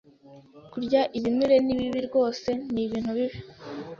kurya ibinure ni bibi ..rwose ni.. ibintu bibi.